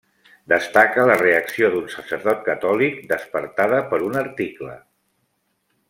Destaca la reacció d'un sacerdot catòlic despertada per un article.